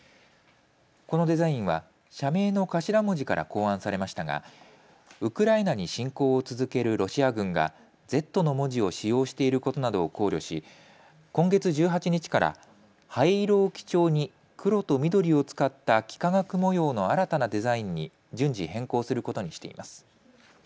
このデザインは社名の頭文字から考案されましたがウクライナに侵攻を続けるロシア軍がＺの文字を使用していることなどを考慮し今月１８日から灰色を基調に黒と緑を使った幾何学模様の新たなデザインに順次変更することにしています。